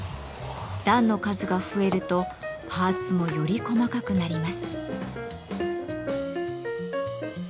段の数が増えるとパーツもより細かくなります。